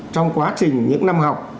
trong quá trình những năm học